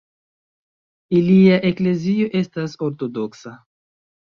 Ilia eklezio estas ortodoksa.